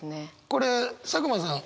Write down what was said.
これ佐久間さん